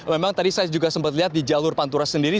memang tadi saya juga sempat lihat di jalur pantura sendiri